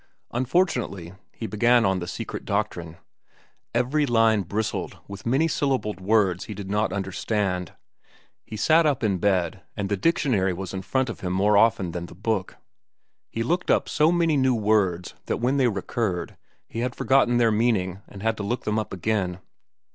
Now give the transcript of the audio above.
Unfortunately, he began on the "Secret Doctrine." Every line bristled with many syllabled words he did not understand. He sat up in bed, and the dictionary was in front of him more often than the book. He looked up so many new words that when they recurred, he had forgotten their meaning and had to look them up again.